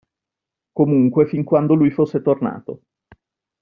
Comunque fin quando lui fosse tornato.